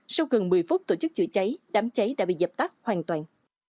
sau gần một mươi phút tổ chức chữa cháy đám cháy đã bị dập tắt hoàn toàn